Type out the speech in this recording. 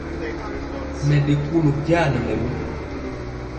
Mɛ ɗe kunu jaa nɛ mɛlɛmɔ.